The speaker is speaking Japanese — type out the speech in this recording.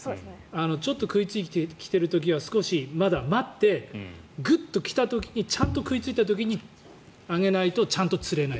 ちょっと食いついてきている時はまだ少し待ってグッと来た時にちゃんと食いついた時じゃないとちゃんと釣れない。